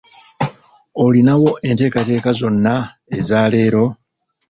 Olinawo enteekateeka zonna eza leero?